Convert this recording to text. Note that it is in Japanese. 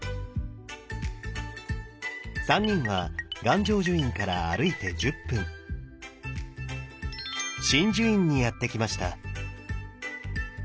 ３人は願成就院から歩いて１０分眞珠院にやって来ました。